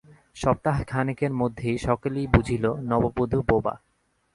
সপ্তাহখানেকের মধ্যে সকলেই বুঝিল, নববধূ বোবা।